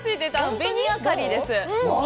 紅あかりです。